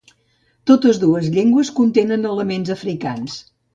Totes dues llengües contenen elements africans.